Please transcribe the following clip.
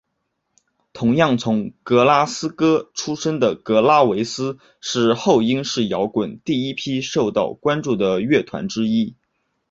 同样从格拉斯哥出身的特拉维斯是后英式摇滚第一批受到关注的乐团之一。